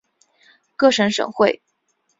各省省会。